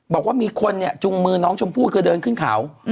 บอกว่ามีคนจุงมือน้องชมพูดเคยเดินขึ้นขาว